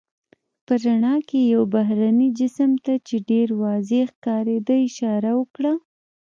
په رڼا کې یې یو بهرني جسم ته، چې ډېر واضح ښکارېده اشاره وکړه.